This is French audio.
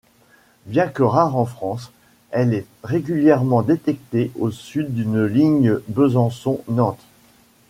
Bien que rare en France, elle est régulièrement détectée au sud d'une ligne Besançon-Nantes.